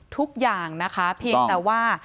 ทุกอย่างนะคะเพียงแต่ว่า